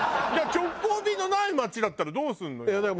じゃあ直行便のない街だったらどうするのよ？